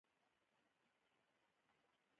ښه خبر دې راوړ